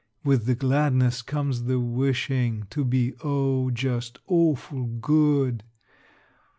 With the gladness comes the wishin' To be, oh, just awful good!